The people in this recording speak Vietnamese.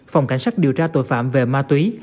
phòng cảnh sát điều tra tội phạm về ma túy